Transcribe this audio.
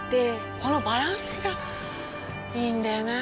このバランスがいいんだよなぁ。